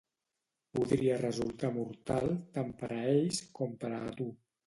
Podria resultar mortal tant per a ells com per a tu.